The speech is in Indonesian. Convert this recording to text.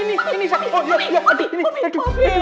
ini ini sakit